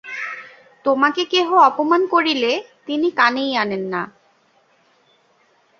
তোমাকে কেহ অপমান করিলে তিনি কানেই আনেন না।